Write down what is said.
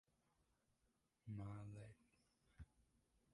Mallet